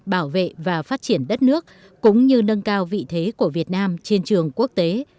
bảo vệ và phát triển đất nước cũng như nâng cao vị thế của việt nam trên trường quốc tế